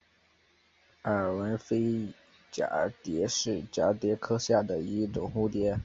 丫纹俳蛱蝶是蛱蝶科下的一种蝴蝶。